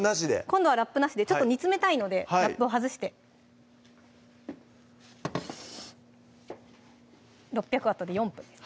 今度はラップなしでちょっと煮詰めたいのでラップを外して６００Ｗで４分です